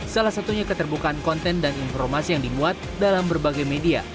salah satunya keterbukaan konten dan informasi yang dimuat dalam berbagai media